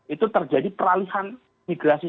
itu terjadi peralihan migrasi